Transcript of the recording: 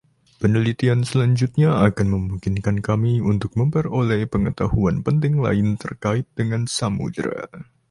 Penelitian selanjutnya akan memungkinkan kami untuk memperoleh pengetahuan penting lain terkait dengan samudra.